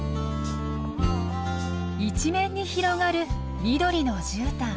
一面に広がる緑のじゅうたん。